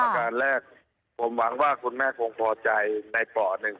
การแรกผมหวังว่าคุณแม่คงพอใจในป่อหนึ่ง